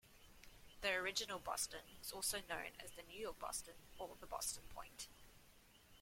The "original" Boston is also known as the New York Boston or Boston Point.